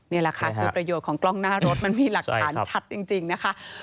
นี่แหละค่ะคือประโยชน์ของกล้องหน้ารถมันมีหลักฐานชัดจริงนะคะ